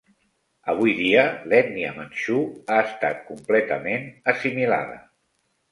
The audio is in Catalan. Avui dia, l'ètnia manxú ha estat completament assimilada.